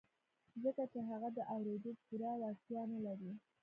ځکه چې هغه د اورېدو پوره وړتيا نه لري.